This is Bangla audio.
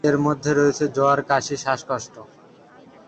এর মধ্যে রয়েছে জ্বর, কাশি, শ্বাসকষ্ট।